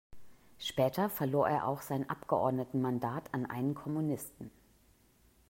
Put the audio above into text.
Später verlor er auch sein Abgeordnetenmandat an einen Kommunisten.